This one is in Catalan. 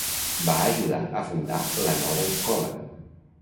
Va ajudar a fundar La Nova Escola.